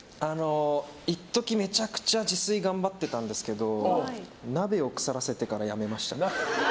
一時、めちゃくちゃ自炊頑張ってたんですけど鍋を腐らせてからやめました。